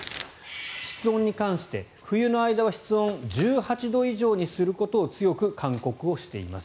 室温に関して冬の間は室温１８度以上にすることを強く勧告しています。